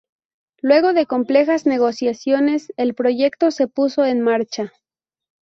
Luego de complejas negociaciones, el proyecto se puso en marcha.